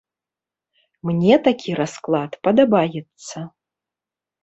Мне такі расклад падабаецца.